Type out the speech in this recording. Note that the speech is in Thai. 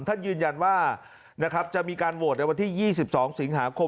ท่านยืนยันว่านะครับจะมีการโหวดในวันที่ยี่สิบสองสิงหาคม